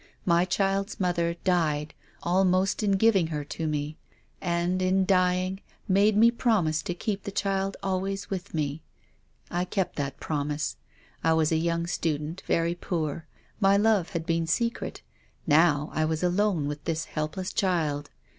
My child's mother died almost in giving her to me, and, in dying, made me promise to keep the child always with me. I kept that promise. I was a young student, very poor. My love had been secret. Now I was alone with this helpless child.